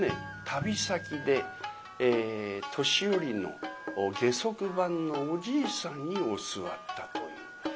旅先で年寄りの下足番のおじいさんに教わったという。